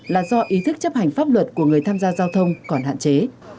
là do ý thức chấp hành pháp luật của người tham gia giao thông còn hạn chế